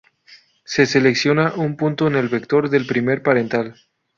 Se selecciona un punto en el vector del primer parental.